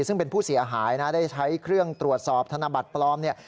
ซึ่งเป็นผู้เสียหายนะได้ใช้เครื่องตรวจสอบธนบัตรปลอมเนี่ย